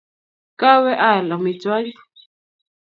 Kawe aal amitwokik